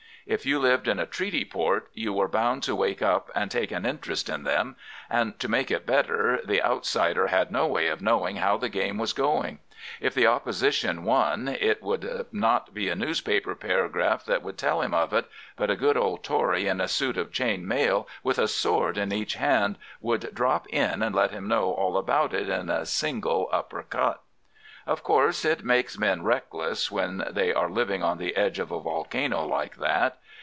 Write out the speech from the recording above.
If you lived in a treaty port, you were bound to wake up and take an interest in them. And to make it better, the outsider had no way of knowing how the game was going. If the opposition won it would not be a newspaper paragraph that would tell him of it, but a good old Tory in a suit of chain mail, with a sword in each hand, would drop in and let him know all about it in a single upper cut. "Of course it makes men reckless when they are living on the edge of a volcano like that.